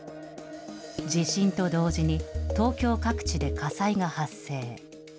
地震と同時に、東京各地で火災が発生。